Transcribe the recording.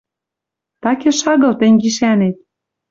Такеш агыл тӹнь гишӓнет